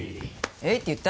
「えい」って言った？